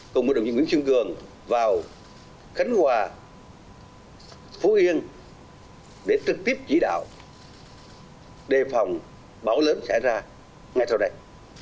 cùng với đồng chí nguyễn xuân cường vào khánh hòa phú yên để trực tiếp chỉ đạo đề phòng bão lớn xảy ra ngay sau đây